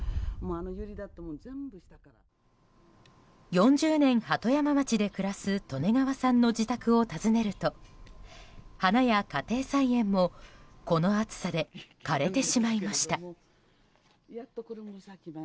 ４０年、鳩山町で暮らす利根川さんの自宅を訪ねると花や家庭菜園もこの暑さで枯れてしまいました。